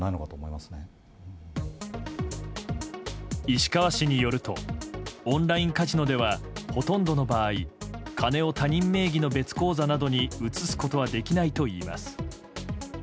石川氏によるとオンラインカジノではほとんどの場合金を他人名義の別口座などに移すことはできないといいます。